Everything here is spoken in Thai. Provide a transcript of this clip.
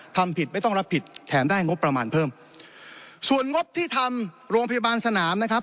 ทำผิดไม่ต้องรับผิดแถมได้งบประมาณเพิ่มส่วนงบที่ทำโรงพยาบาลสนามนะครับ